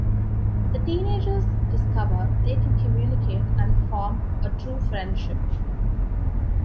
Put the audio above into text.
The teenagers discover they can communicate and form a true friendship.